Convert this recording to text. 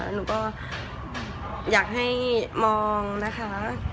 หนูก็อยากให้มองนะคะ